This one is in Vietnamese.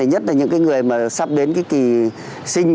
nhất là những người sắp đến kỳ sinh